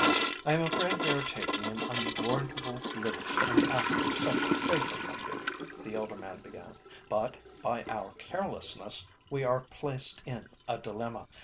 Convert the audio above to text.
"I am afraid we are taking an unwarrantable liberty in asking such a favour from you," the elder man began, "but by our carelessness we are placed in a dilemma.